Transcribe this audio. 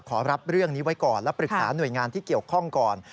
ขอรับเรื่องนี้ไว้ก่อนและปรึกษาหน่วยงานที่เกี่ยวข้องก่อน